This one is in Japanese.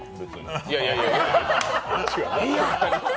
いやいやいや